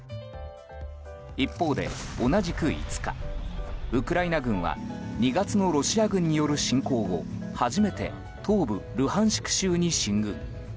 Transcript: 一方で、同じく５日ウクライナ軍は２月のロシア軍による侵攻後初めて東部ルハンシク州に進軍。